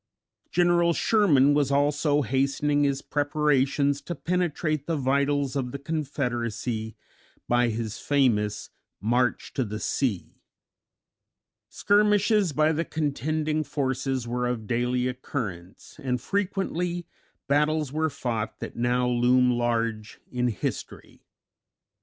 General Sherman was also hastening his preparations to penetrate the vitals of the Confederacy by his famous "March to the Sea." Skirmishes by the contending forces were of daily occurrence, and frequently battles were fought that now loom large in history.